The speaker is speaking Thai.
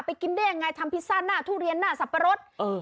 กินได้ยังไงทำพิซซ่าหน้าทุเรียนหน้าสับปะรด